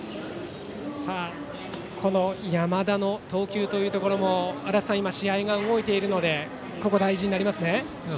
山田の投球というところも足達さん、試合が動いているのでここ大事になりますね。